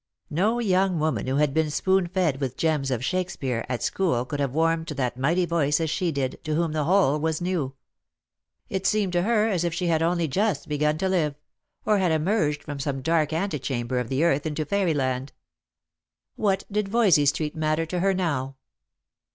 No young woman who had been spoon fed with " Gems of Shakespeare " at school could have warmed to that mighty voice as she did, to whom the whole was new. It seemed to her as if she had only just begun to live ; or had emerged from some dark antechamber of the earth into fairy land. What did Voysey street matter to her now